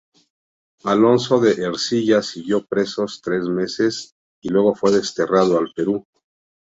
Alonso de Ercilla siguió preso tres meses más y luego fue desterrado al Perú.